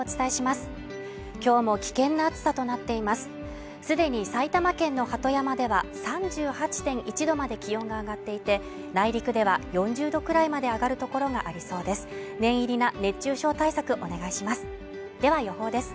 すでに埼玉県の鳩山では３８．１度まで気温が上がっていて内陸では４０度くらいまで上がる所がありそうです